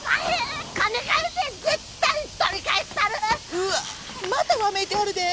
うわまたわめいてはるで。